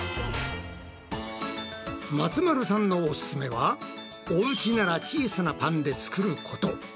松丸さんのオススメはおうちなら小さなパンで作ること。